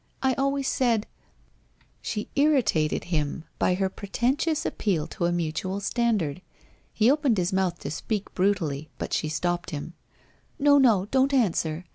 I always said ' She irritated him by her pretentious appeal to a mutual standard. He opened his mouth to speak brutally, but she stopped him. ' Xo, no, don't answer.